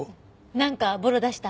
なんかボロ出した？